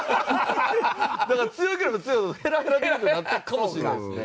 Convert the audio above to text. だから強ければ強いほどヘラヘラディベートになっていくかもしれないですね。